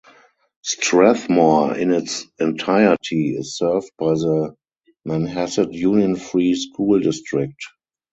Strathmore in its entirety is served by the Manhasset Union Free School District.